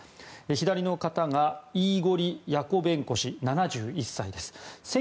左の方がイーゴリ・ヤコベンコ氏７１歳です。